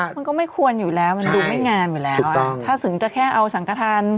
มันก็ไม่ควรอยู่แล้วมันดูไม่งามอยู่แล้วถ้าถึงจะแค่เอาสังกฐาน